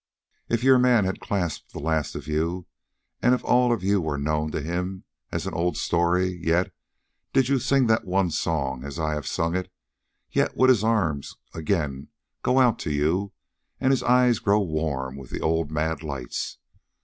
"If your man had clasped the last of you, and if all of you were known to him as an old story, yet, did you sing that one song, as I have sung it, yet would his arms again go out to you and his eyes grow warm with the old mad lights.